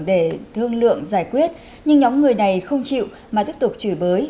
để thương lượng giải quyết nhưng nhóm người này không chịu mà tiếp tục chửi bới